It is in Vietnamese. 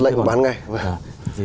giật lệnh bán ngay